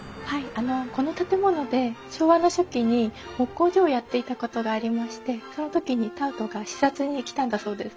あのこの建物で昭和の初期に木工所をやっていたことがありましてその時にタウトが視察に来たんだそうです。